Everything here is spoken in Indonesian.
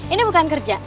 ini bukan kerja